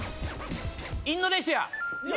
インドネシア。